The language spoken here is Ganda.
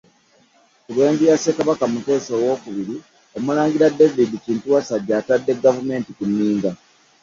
Ku lw’enju ya Ssekabaka Muteesa Owookubiri Omulangira David Kintu Wassajja atadde gavumenti ku nninga